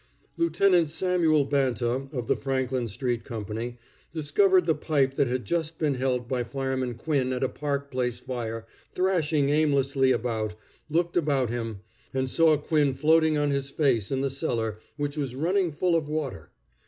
Lieutenant Samuel Banta of the Franklin street company, discovering the pipe that had just been held by Fireman Quinn at a Park Place fire thrashing aimlessly about, looked about him, and saw Quinn floating on his face in the cellar, which was running full of water.